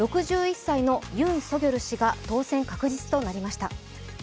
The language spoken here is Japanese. ６１歳のユン・ソギョル氏が当選確実となりました。